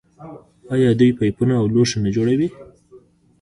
آیا دوی پایپونه او لوښي نه جوړوي؟